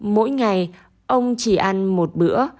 mỗi ngày ông chỉ ăn một bữa